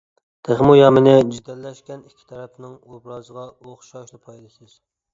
تېخىمۇ يامىنى جېدەللەشكەن ئىككى تەرەپنىڭ ئوبرازىغا ئوخشاشلا پايدىسىز.